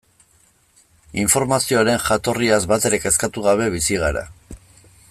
Informazioaren jatorriaz batere kezkatu gabe bizi gara.